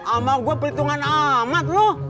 amal gue perlindungan amat lo